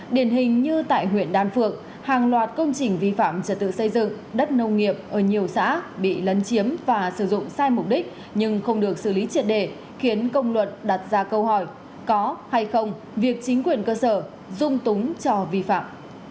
điển hình như tại huyện đan phượng hàng loạt công trình vi phạm trật tự xây dựng đất nông nghiệp ở nhiều xã bị lấn chiếm và sử dụng sai mục đích nhưng không được xử lý triệt đề khiến công luận đặt ra câu hỏi có hay không việc chính quyền cơ sở dung túng cho vi phạm